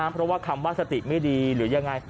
เพราะว่าคำว่าสติไม่ดีหรือยังไง